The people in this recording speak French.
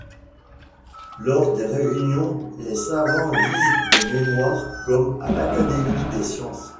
Lors des réunions, les savants lisent des mémoires, comme à l'Académie des sciences.